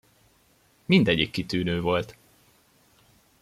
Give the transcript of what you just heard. Mindegyik kitűnő volt!